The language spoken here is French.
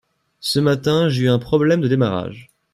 Ce matin, j’ai eu un problème de démarrage.